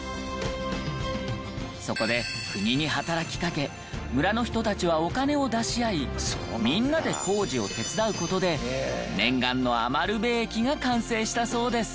そこで国に働きかけ村の人たちはお金を出し合いみんなで工事を手伝う事で念願の餘部駅が完成したそうです。